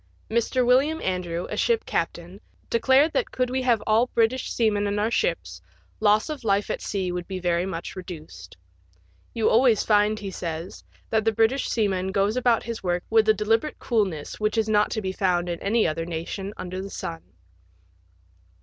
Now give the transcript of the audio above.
Mr. William Andrew, a ship captain, declared that could we have all British seamen in our ships, loss of life at sea would be very much reduced. You always find, he says, that the British seaman goes about his work with a delibe rate coolness which is not to be found in any other nation under the sun.